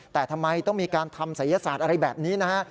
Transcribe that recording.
แต่ทำไมต้องมีการทำศัยศาสตร์อะไรแบบนี้นะฮะ